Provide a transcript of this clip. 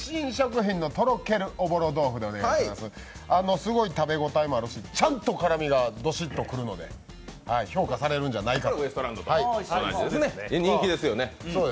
すごい食べ応えもあるしちゃんと辛みがどしっとくるんで評価されるんじゃないかと。